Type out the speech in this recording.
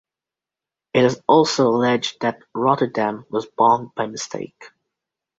It is also alleged that Rotterdam was bombed by mistake.